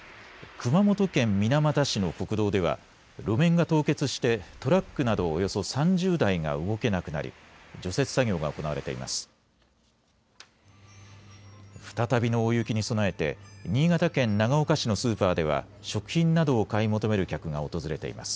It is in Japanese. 熊本県水俣市の国道では路面が凍結してトラックなどおよそ３０台が動けなくなり除雪作業が行われています。